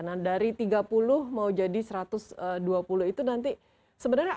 nah dari tiga puluh mau jadi satu ratus dua puluh itu nanti sebenarnya apa sih yang ditawarkan